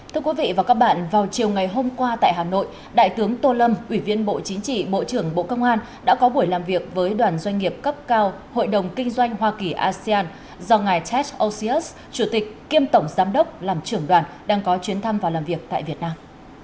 thưa quý vị và các bạn vào chiều ngày hôm qua tại hà nội đại tướng tô lâm ủy viên bộ chính trị bộ trưởng bộ công an đã có buổi làm việc với đoàn doanh nghiệp cấp cao hội đồng kinh doanh hoa kỳ asean do ngài tets osyus chủ tịch kiêm tổng giám đốc làm trưởng đoàn đang có chuyến thăm và làm việc tại việt nam